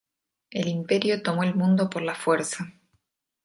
El Imperio tomó el mundo a la fuerza.